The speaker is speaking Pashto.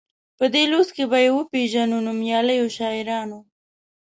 په دې لوست کې به یې وپيژنو نومیالیو شاعرانو.